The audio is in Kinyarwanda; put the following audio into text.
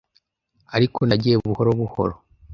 ariko nagiye buhoro buhoro